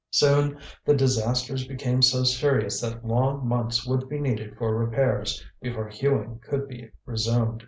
Soon the disasters became so serious that long months would be needed for repairs before hewing could be resumed.